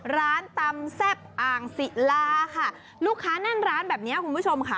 ร้านตำแซ่บอ่างศิลาค่ะลูกค้าแน่นร้านแบบนี้คุณผู้ชมค่ะ